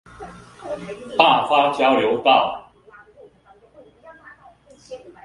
大發交流道